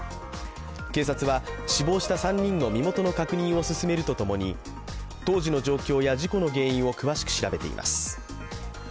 警察は死亡した３人の身元の確認を進めるとともに当時の状況や事故の原因を詳しく調べています。